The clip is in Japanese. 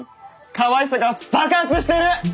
かわいさが爆発してる！